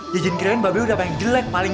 jijin kirain babe udah main jelek paling